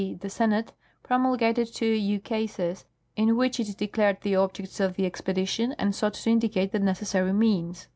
e., the Senate] pro mulgated two ukases, in which it declared the objects of the ex j^edition and sought to indicate the necessary means."